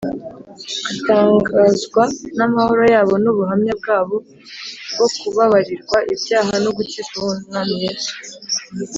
Atangazwa n’amahoro yabo n’ubuhamya bwabo bwo kubabarirwa ibyaha no gukizwa n’Umwami Yesu